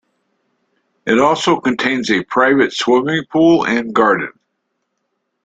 It also contains a private swimming pool and garden.